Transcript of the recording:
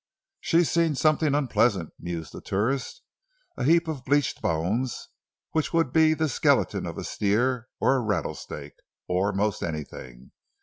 "She's seen something unpleasant," mused the tourist. "A heap of bleached bones—which would be the skeleton of a steer; or a rattlesnake—or most anything.